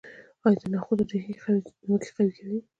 آیا د نخودو ریښې ځمکه قوي کوي؟